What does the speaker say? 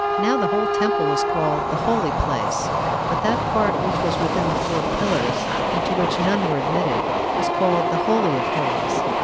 Now the whole temple was called The Holy Place: but that part which was within the four pillars, and to which none were admitted, was called The Holy of Holies.